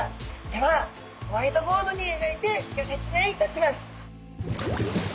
ではホワイトボードにえがいてギョ説明いたします！